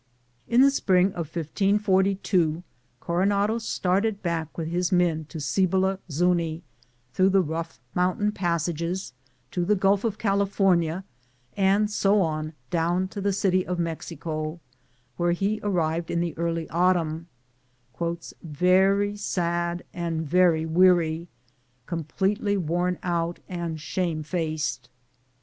In the spring of 1542 Coro nado started back with his men to Cibola Zuiii, through the rough mountain passages to the Gulf of California, and so on down to the city of Mexico, where he arrived in the early autumn, "very sad and very weary, completely worn out and shame faced."